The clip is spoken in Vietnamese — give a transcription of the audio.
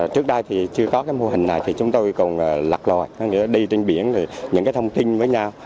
trước đây thì chưa có cái mô hình này thì chúng tôi còn lạc loại đi trên biển thì những cái thông tin với nhau